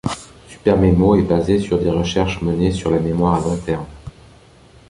SuperMemo est basé sur des recherches menées sur la mémoire à long terme.